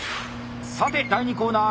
さて第２コーナー